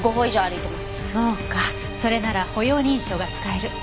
そうかそれなら歩容認証が使える。